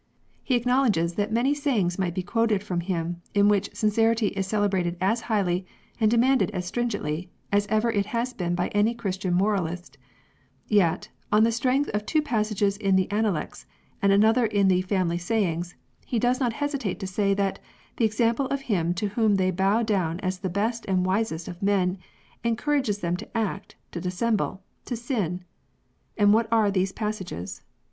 He acknowledges that " many sayings might be quoted from him, in which * sincerity ' is celebrated as highly and demanded as stringently as ever it has been by any Christian moralist,'' yet, on the strength of two passages in the Analects, and another in the '' Family Sayings," he does not hesitate to say that " the example of him to whom they bow down as the best and wisest of men, encourages them to act, to dissemble, to sin." And what are these passages